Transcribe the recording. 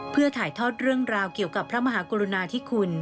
เพื่อถ่ายทอดเรื่องราวเกี่ยวกับพระมหากรุณาธิคุณ